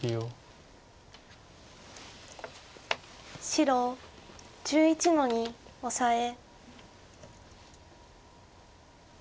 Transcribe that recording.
白１１の二オサエ。